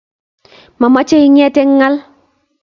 mamoche inget eng ngal.